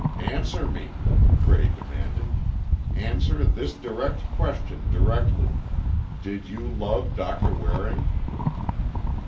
"Answer me," Cray demanded. "Answer this direct question directly. Did you love Doctor Waring?"